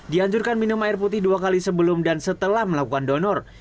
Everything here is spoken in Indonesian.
dianjurkan minum air putih dua kali sebelum dan setelah melakukan donor